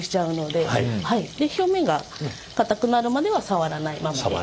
で表面がかたくなるまでは触らないままで。